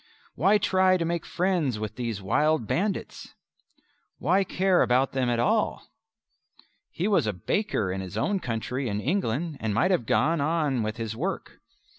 Why try to make friends with these wild bandits? Why care about them at all? He was a baker in his own country in England and might have gone on with this work.